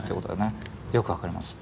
よく分かります。